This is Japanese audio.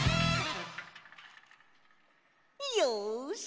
よし！